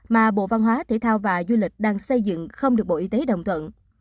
mà bộ văn hóa thể thao và du lịch đang xây dựng không được bộ y tế đồng thuận